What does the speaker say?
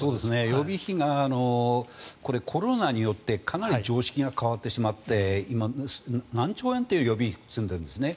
予備費がこれ、コロナによってかなり常識が変わってしまって何兆円という予備費を積んでるんですね。